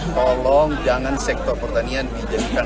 tolong jangan sektor pertanian diberikan bahan perdebatan